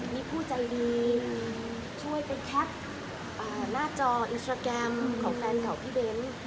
มีผู้ใจดีช่วยไปแคปหน้าจออินสตราแกรมของแฟนเก่าพี่เบ้น